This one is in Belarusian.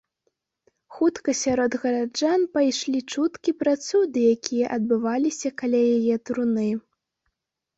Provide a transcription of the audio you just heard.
Хутка сярод гараджан пайшлі чуткі пра цуды, якія адбываліся каля яе труны.